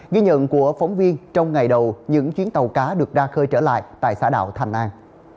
ghi nhận của phóng viên trong ngày đầu những chuyến tàu cá được ra khơi trở lại tại xã đảo thành an